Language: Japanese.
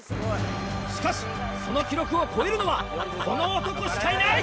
しかしその記録を超えるのはこの男しかいない！